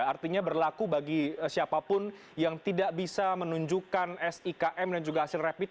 artinya berlaku bagi siapapun yang tidak bisa menunjukkan sikm dan juga hasil rapid